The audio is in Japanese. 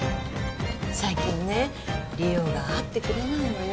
最近ね梨央が会ってくれないのよ